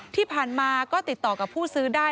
ที่ผ่านมาก็ติดต่อกับผู้ซื้อได้